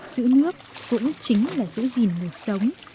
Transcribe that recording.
giữ nước cũng chính là giữ gìn một sống